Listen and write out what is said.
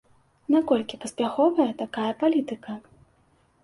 Наколькі паспяховая такая палітыка?